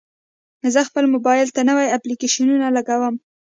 زه خپل موبایل ته نوي اپلیکیشنونه لګوم.